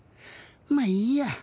まあいいや。